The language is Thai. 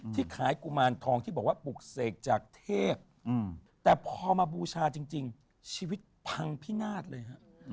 ที่ขายกุมารทองที่บอกว่าปลูกเสกจากเทพแต่พอมาบูชาจริงชีวิตพังพินาศเลยฮะ